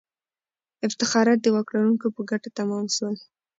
افتخارات د واک لرونکو په ګټه تمام سول.